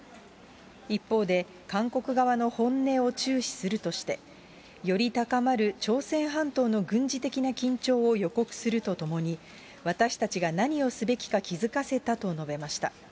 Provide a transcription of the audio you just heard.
一方で、韓国側の本音を注視するとして、より高まる朝鮮半島の軍事的な緊張を予告するとともに、私たちが何をすべきか気付かせたと述べました。